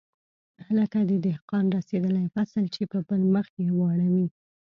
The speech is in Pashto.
لکه د دهقان رسېدلى فصل چې په بل مخ يې واړوې.